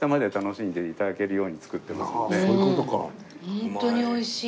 ホントに美味しい。